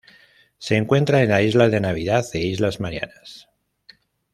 Se encuentra en la Isla de Navidad e Islas Marianas.